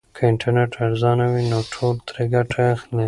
که انټرنیټ ارزانه وي نو ټول ترې ګټه اخلي.